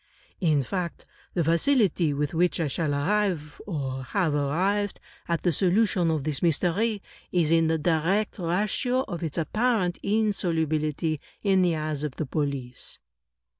* In fact, the facility with which I shall arrive, or have arrived, at the solution of this mystery, is in the direct ratio of its apparent insolubility in the eyes of the police."